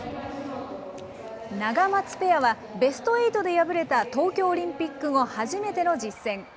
ナガマツペアは、ベストエイトで敗れた東京オリンピック後初めての実戦。